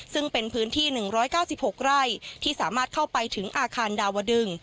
ซึ่งเป็นพื้นที่๑๙๖ไร่ที่สามารถเข้าไปถึงอาคารดาวดึง